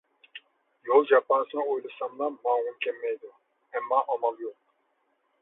يول جاپاسىنى ئويلىساملا ماڭغۇم كەلمەيدۇ. ئەمما ئامال يوق.